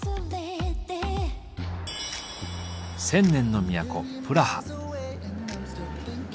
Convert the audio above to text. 千年の都プラハ。